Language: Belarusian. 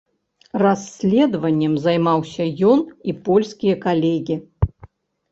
Расследаваннем займаўся ён і польскія калегі.